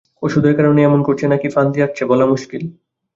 ওষুধের কারণে এমন করছে নাকি ফন্দি আঁটছে বলা মুশকিল।